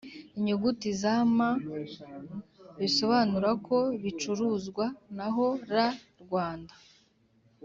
Inyuguti za M( bisobanura ko bicuruzwa)naho R (Rwanda) )